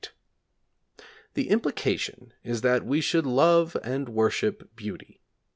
The implication is that we should love and worship beauty.